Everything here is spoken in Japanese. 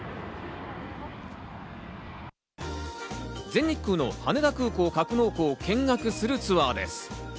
全日空の羽田空港格納庫を見学するツアーです。